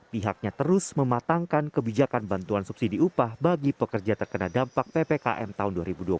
pihaknya terus mematangkan kebijakan bantuan subsidi upah bagi pekerja terkena dampak ppkm tahun dua ribu dua puluh satu